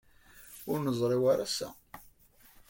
Ur nzerrew ara ass-a.